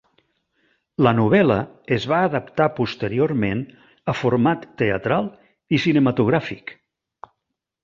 La novel·la es va adaptar posteriorment a format teatral i cinematogràfic.